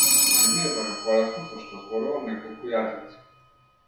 Мене ми е барем полесно зашто зборувам неколку јазици.